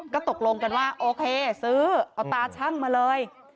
ก็ตกลงกันว่าโอเคซื้อเอาตาชั่งมาเลย